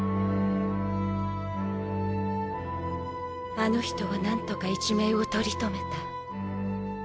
あの人はなんとか一命を取り留めた。